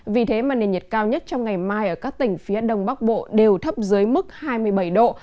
vì thế mà nền nhiệt cao nhất trong ngày mai ở các tỉnh phía đông bắc bộ đều thấp dưới mức hai mươi bảy độ